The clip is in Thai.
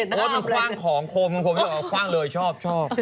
มันคว้างของโคมตร๊กโคมไปจบคว้างเลยชอบ